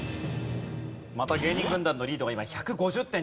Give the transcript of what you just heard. また芸人軍団のリードが今１５０点。